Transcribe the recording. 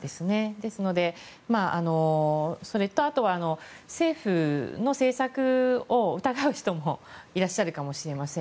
ですので、それとあとは政府の政策を疑う人もいらっしゃるかもしれません。